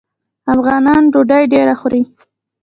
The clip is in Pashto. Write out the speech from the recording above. افغانان ډوډۍ ډیره خوري.